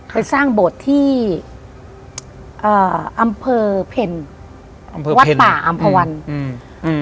ไปสร้างโบสถ์ที่เอ่ออำเภอเพลอำเภอวัดป่าอำภาวันอืมอืม